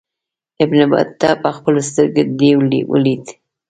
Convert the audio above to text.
ابن بطوطه پخپلو سترګو دېو ولید.